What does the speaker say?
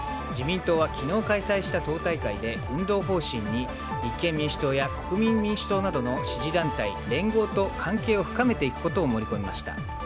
自民党は昨日開催した党大会で党大会で運動方針に立憲民主党や国民民主党などの支持団体連合と関係を深めていくことを盛り込みました。